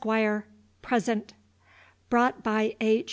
Present. Brought by H.